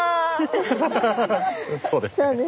そうですね。